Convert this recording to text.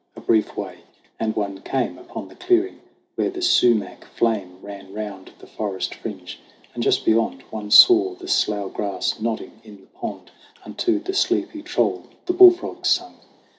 A brief way, and one came Upon the clearing where the sumach flame Ran round the forest fringe; and just beyond One saw the slough grass nodding in the pond Unto the sleepy troll the bullfrogs sung.